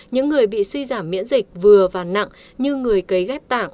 những người bị suy giảm miễn dịch vừa và nặng như người cấy ghép tạng